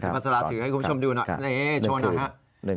ซิมัสราถือให้คุณผู้ชมดูหน่อยโชว์นะฮะ